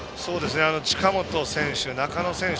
近本選手、中野選手